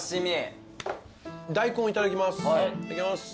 大根いただきます。